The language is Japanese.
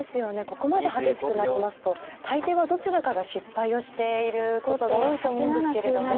ここまで激しくなりますと大抵はどちらかが失敗をしていることが多いと思うんですけれども。